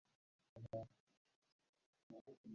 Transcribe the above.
• Yaqin qo‘shni uzoq qarindoshdan afzal.